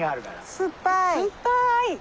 酸っぱい！